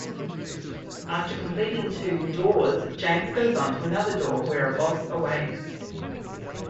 After completing two "doors", James goes on to another door where a boss awaits.